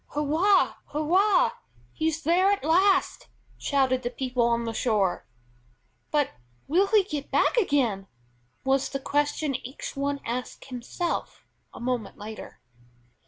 "Hurrah! Hurrah! he's there at last!" shouted the people on the shore. "But will he get back again?" was the question each one asked himself a moment later.